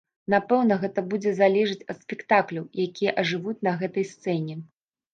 Напэўна, гэта будзе залежыць ад спектакляў, якія ажывуць на гэтай сцэне.